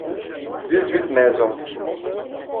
Dix-huit maisons.